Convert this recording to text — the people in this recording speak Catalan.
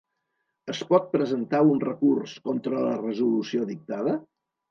Es pot presentar un recurs contra la resolució dictada?